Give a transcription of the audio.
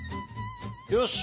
よし！